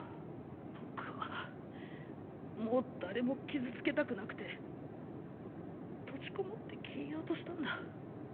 僕はもう誰も傷つけたくなくて閉じこもって消えようとしたんだ。